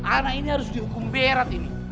anak ini harus dihukum berat ini